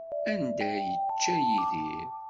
Anda ay yečča Yidir?